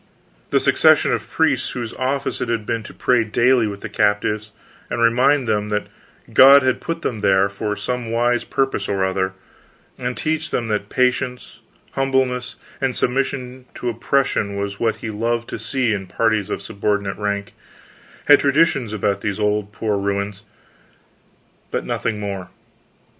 The succession of priests whose office it had been to pray daily with the captives and remind them that God had put them there, for some wise purpose or other, and teach them that patience, humbleness, and submission to oppression was what He loved to see in parties of a subordinate rank, had traditions about these poor old human ruins, but nothing more.